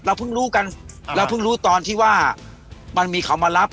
เพิ่งรู้กันเราเพิ่งรู้ตอนที่ว่ามันมีเขามารับ